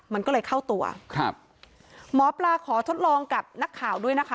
มันก็เลยเข้าตัวครับหมอปลาขอทดลองกับนักข่าวด้วยนะคะ